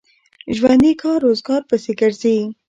ژوندي کار روزګار پسې ګرځي